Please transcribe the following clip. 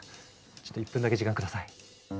ちょっと１分だけ時間下さい。